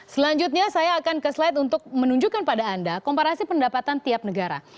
selanjutnya saya akan ke slide untuk menunjukkan pada anda komparasi pendapatan tiap negara